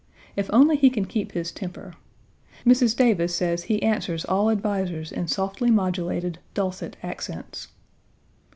If only he can keep his temper. Mrs. Davis says he answers all advisers in softly modulated, dulcet accents.